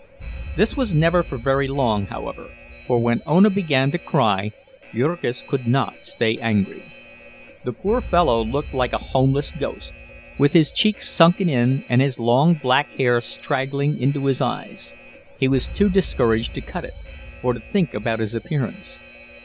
This was never for very long, however, for when Ona began to cry, Jurgis could not stay angry. The poor fellow looked like a homeless ghost, with his cheeks sunken in and his long black hair straggling into his eyes; he was too discouraged to cut it, or to think about his appearance.